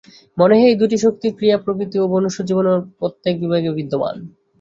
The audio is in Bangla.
মনে হয়, এই দুইটি শক্তির ক্রিয়া প্রকৃতি ও মনুষ্যজীবনের প্রত্যেক বিভাগে বিদ্যমান।